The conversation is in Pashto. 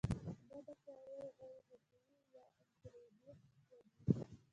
دا بکټریاوې غیر هوازی یا انئیروبیک یادیږي.